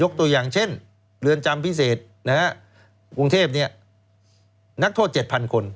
ยกตัวอย่างเช่นเดือนจำพิเศษนะฮะกรุงเทพเนี้ยนักโทษเจ็ดพันคน